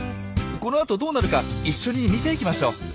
このあとどうなるか一緒に見ていきましょう。